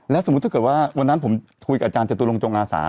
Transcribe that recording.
สมมุติถ้าเกิดว่าวันนั้นผมคุยกับอาจารย์จตุลงจงอาสา